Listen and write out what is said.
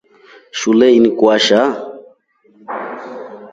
Shule ili kwasha.